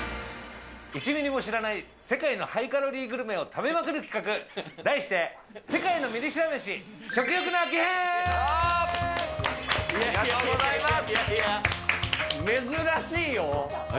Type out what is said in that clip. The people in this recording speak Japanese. １ミリも知らない世界のハイカロリーグルメを食べまくる企画、題して世界のミリ知ら飯・食欲のありがとうございます。